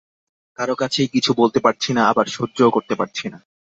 কারও কাছেই কিছু বলতে পারছি না, আবার সহ্যও করতে পারছি না।